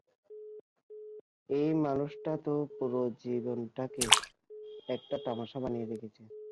এই মানুষটা তো, পুরো জীবনটাকে একটা তামাশা বানিয়ে রেখেছে।